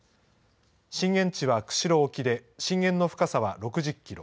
震源地は釧路沖で震源の深さは６０キロ。